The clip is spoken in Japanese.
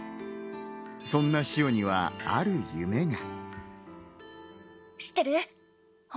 そんなシオにはある夢が。